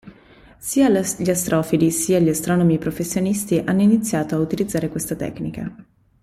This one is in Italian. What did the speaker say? Sia gli astrofili sia gli astronomi professionisti hanno iniziato ad utilizzare questa tecnica.